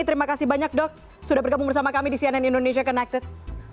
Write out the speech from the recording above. terima kasih banyak dok sudah bergabung bersama kami di cnn indonesia connected